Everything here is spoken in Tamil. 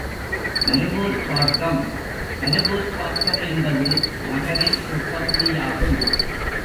மருவூர்ப் பாக்கம் மருவூர்ப் பாக்கம் என்பது நகரின் உட்பகுதியாகும்.